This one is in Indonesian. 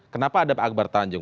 kenapa ada pak akbar tanjung